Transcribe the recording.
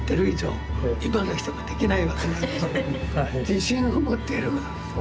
自信を持ってやること。